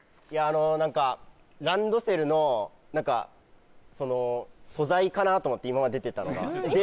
何かランドセルの何かその素材かなと思って今まで出てたのがで